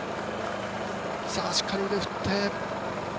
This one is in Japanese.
しっかり腕を振って。